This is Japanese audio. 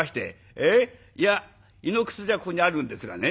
えっいや胃の薬はここにあるんですがね。